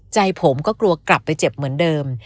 ใจผมก็กลัวกลับไปเจ็บเหมือนเดิม